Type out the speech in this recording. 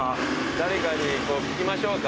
誰かに聞きましょうか？